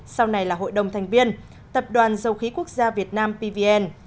sau này là hội đồng thành viên tập đoàn dầu khí quốc gia việt nam pvn